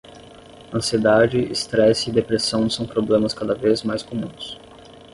Ansiedade, estresse e depressão são problemas cada vez mais comuns